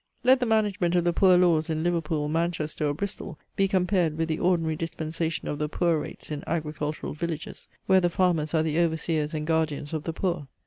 Let the management of the Poor Laws in Liverpool, Manchester, or Bristol be compared with the ordinary dispensation of the poor rates in agricultural villages, where the farmers are the overseers and guardians of the poor.